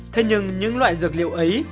thế nhưng những loại dược liệu ấy